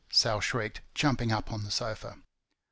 Sal shrieked, jumping up on the sofa.